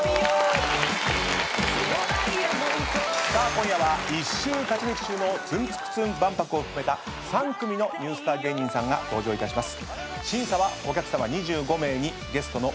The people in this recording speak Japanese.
今夜は１週勝ち抜き中のツンツクツン万博を含めた３組のニュースター芸人さんが登場いたします。